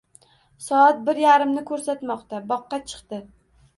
Soat bir yarimni ko'rsatmoqda. Boqqa chikdi.